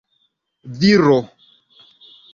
viro